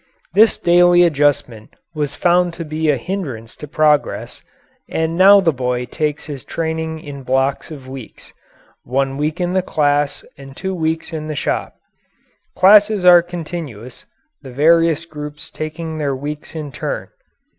This daily adjustment was found to be a hindrance to progress, and now the boy takes his training in blocks of weeks one week in the class and two weeks in the shop. Classes are continuous, the various groups taking their weeks in turn.